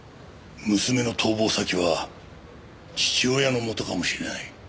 娘の逃亡先は父親の元かもしれない。